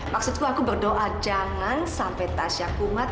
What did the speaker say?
maksudku aku berdoa jangan sampai tasya kumat